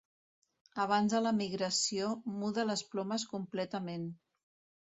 Abans de la migració muda les plomes completament.